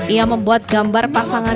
ia membuat gambar pasangan